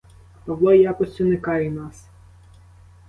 Павло якось уникає нас.